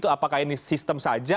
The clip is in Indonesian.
apakah ini sistem saja